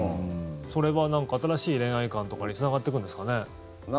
それは、なんか新しい恋愛観とかにつながってくるんですかね。